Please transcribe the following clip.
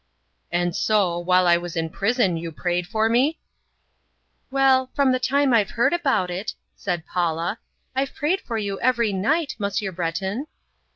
"And so, while I was in prison you prayed for me?" "Well, from the time I heard about it," said Paula, "I've prayed for you every night, Monsieur Breton."